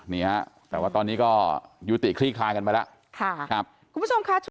นี่ฮะแต่ว่าตอนนี้ก็ยูติคลี่คลายกันมาแล้ว